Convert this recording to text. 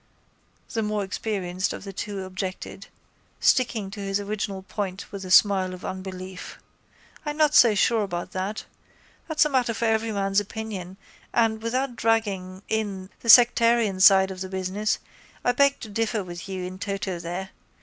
the more experienced of the two objected, sticking to his original point with a smile of unbelief. I'm not so sure about that. That's a matter for everyman's opinion and, without dragging in the sectarian side of the business, I beg to differ with you in toto there.